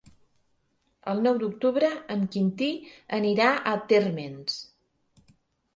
El nou d'octubre en Quintí anirà a Térmens.